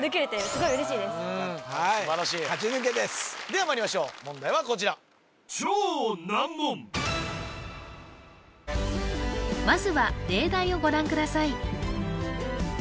素晴らしいではまいりましょう問題はこちらまずは例題をご覧ください